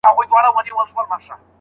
آیا وچکالي تر سېلاب اوږده وي؟